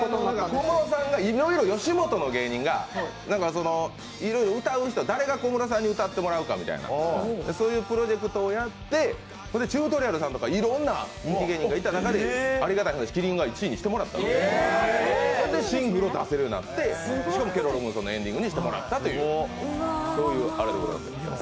小室さんがいろいろよしもとの芸人が、いろいろ歌う人、誰が小室さん、歌ってもらうかみたいなそういうプロジェクトをやって、チュートリアルさんとかいろんなコンビ芸人がいた中でありがたい話、麒麟が１位にしてもらって、で、シングルを出せるようになってしかも「ケロロ軍曹」のエンディングにしてもらった、そういう、あれでございます。